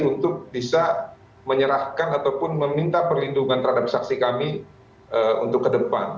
untuk bisa menyerahkan ataupun meminta perlindungan terhadap saksi kami untuk ke depan